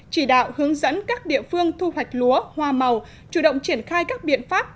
chỉ đạo hướng dẫn các địa phương thu hoạch lúa hoa màu chủ động triển khai các biện pháp